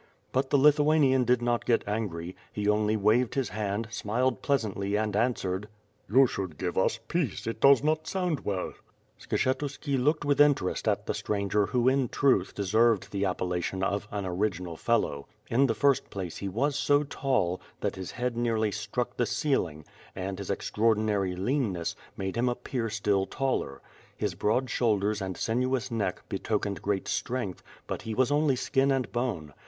But the Lithuanian did not get angry. He only waved his hand, smiled pleasantly, and answered: "You should give us peace, it does not sound well." Skshetuski looked with interest at the stranger who in truth deserved the appellation of an original fellow. In the first place he was so tall, that his head nearly struck the ceil ing, and his extraordinary leanness, made him appear still taller. His broad shoulders and sinuous neck betokened great strength, but he was only skin and bone.